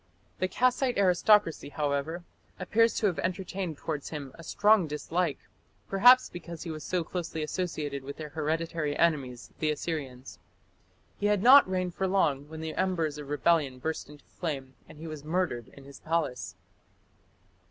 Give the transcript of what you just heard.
The Kassite aristocracy, however, appear to have entertained towards him a strong dislike, perhaps because he was so closely associated with their hereditary enemies the Assyrians. He had not reigned for long when the embers of rebellion burst into flame and he was murdered in his palace.